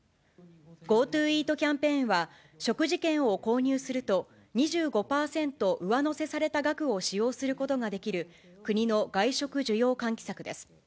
ＧｏＴｏイートキャンペーンは、食事券を購入すると、２５％上乗せされた額を使用することができる国の外食需要喚起策です。